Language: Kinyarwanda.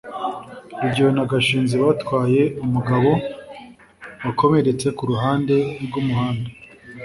rugeyo na gashinzi batwaye umugabo wakomeretse ku ruhande rw'umuhanda